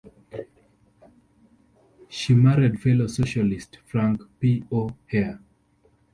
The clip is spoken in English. She married fellow socialist Frank P. O'Hare.